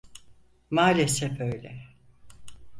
Maalesef öyle.